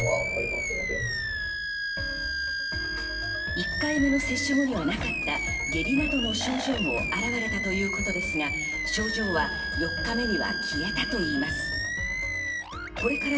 １回目の接種後にはなかった下痢などの症状も現れたということですが、症状は４日目には消えたといいます。